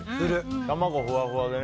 卵ふわふわでね。